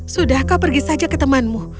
sudah kau pergi saja ke temanmu